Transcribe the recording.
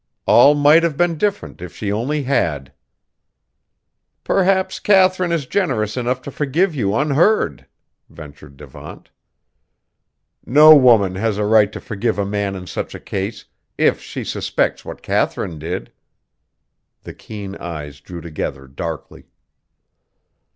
All might have been different if she only had." "Perhaps Katharine is generous enough to forgive you unheard?" ventured Devant. "No woman has a right to forgive a man in such a case, if she suspects what Katharine did!" The keen eyes drew together darkly.